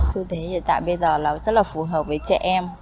tôi thấy hiện tại bây giờ nó rất là phù hợp với trẻ em